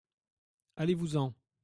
Allez-vous-en.